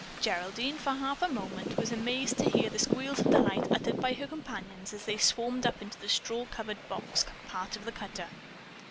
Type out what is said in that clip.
Geraldine, for half a moment, was amazed to hear the squeels of delight uttered by her companions as they swarmed up into the straw covered box part of the cutter.